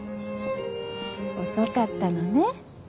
遅かったのね。